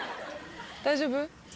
大丈夫？